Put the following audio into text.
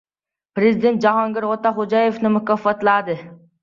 Prezident Jahongir Ortiqxo‘jayevni mukofotladi